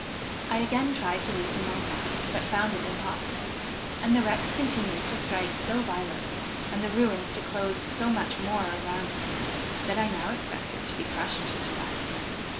I again tried to loosen my gown, but found it impossible, and the wreck continued to strike so violently, and the ruins to close so much more around me, that I now expected to be crushed to death.